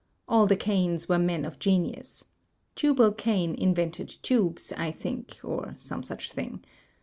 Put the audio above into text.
All the Cains were men of genius. Tubal Cain invented tubes, I think, or some such thing.